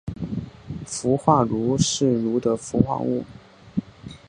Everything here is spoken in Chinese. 氟化铷是铷的氟化物。